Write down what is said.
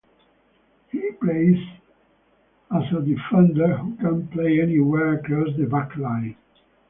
He plays as a defender who can play anywhere across the back line.